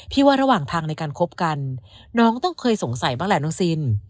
ว่าระหว่างทางในการคบกันน้องต้องเคยสงสัยบ้างแหละน้องซิน